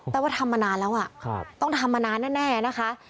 ว่าทำมานานแล้วต้องทำมานานแน่นะคะ